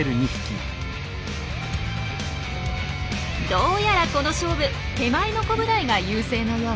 どうやらこの勝負手前のコブダイが優勢のよう。